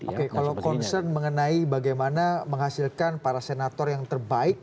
oke kalau concern mengenai bagaimana menghasilkan para senator yang terbaik